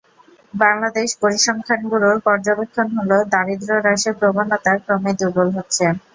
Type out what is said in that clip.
বাংলাদেশ পরিসংখ্যান ব্যুরোর পর্যবেক্ষণ হলো, দারিদ্র্য হ্রাসের প্রবণতা ক্রমেই দুর্বল হচ্ছে।